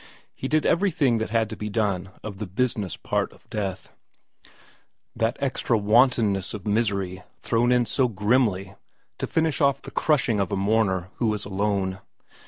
He did everything that had to be done of the business part of death that extra wantonness of misery thrown in so grimly to finish off the crushing of a mourner who is alone.